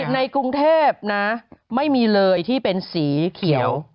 ในกรุงเทพนะไม่มีเลยที่เป็นสีเขียว